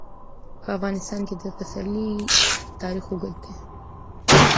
په افغانستان کې د پسرلی تاریخ اوږد دی.